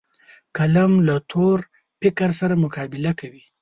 قلم له تور فکر سره مقابل کوي